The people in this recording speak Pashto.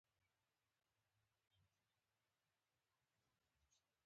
د ونو څانګو او پاڼو ټول شکل په کروي، مخروطي او بیضوي لیدل کېږي.